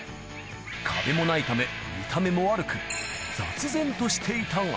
壁もないため、見た目も悪く、雑然としていたが。